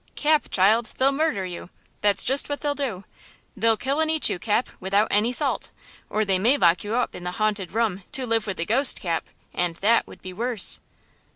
Cap, child, they'll murder you! That's just what they'll do! They'll kill and eat you, Cap, without any salt! or they may lock you up in the haunted room to live with the ghost, Cap, and that would be worse!